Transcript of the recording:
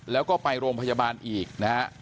แล้วก็ไปโรงพยาบาลอีกนะฮะ